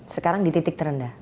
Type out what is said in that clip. sekarang di titik terendah